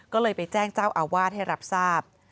ก็เลยไปแจ้งเจ้าอาวาสให้รับทราบ